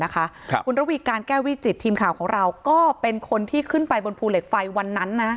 คุณระวีการแก้ววิจิตทีมข่าวของเราก็เป็นคนที่ขึ้นไปบนภูเหล็กไฟวันนั้น